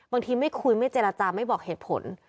ไม่คุยไม่เจรจาไม่บอกเหตุผล